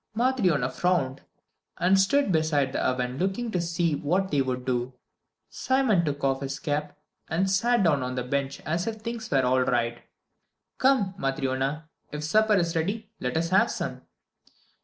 Matryona frowned, and stood beside the oven looking to see what they would do. Simon took off his cap and sat down on the bench as if things were all right. "Come, Matryona; if supper is ready, let us have some."